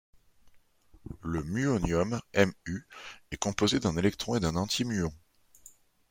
Le muonium, Mu, est composé d'un électron et d'un antimuon.